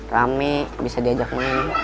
rame bisa diajak main